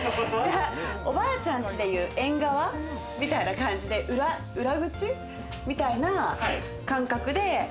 おばあちゃんちでいう縁側みたいな感じで裏口みたいな感覚で。